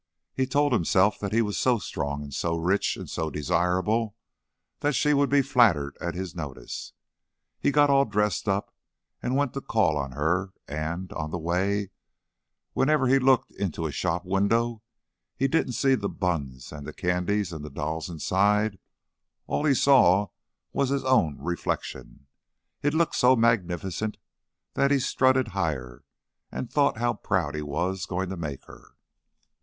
He told himself that he was so strong and so rich and so desirable that she would be flattered at his notice. He got all dressed up and went to call on her, and, on the way, whenever he looked into a shop window, he didn't see the buns and the candies and the dolls inside; all he saw was his own reflection. It looked so magnificent that he strutted higher and thought how proud he was going to make her.